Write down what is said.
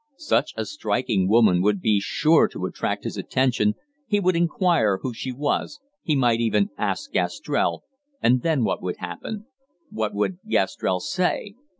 Such a striking woman would be sure to attract his attention, he would inquire who she was, he might even ask Gastrell, and then what would happen? What would Gastrell say?